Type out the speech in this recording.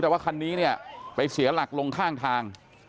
แต่ว่าคันนี้เนี่ยไปเสียหลักลงข้างทาง